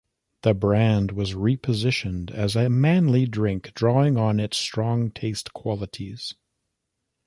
The brand was re-positioned as a "manly" drink, drawing on its strong taste qualities.